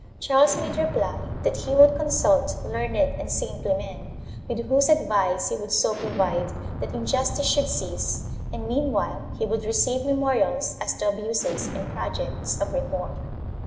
Charles made reply that he would consult learned and saintly men, with whose advice he would so provide that injustice should cease and meanwhile he would receive memorials as to abuses and projects of reform.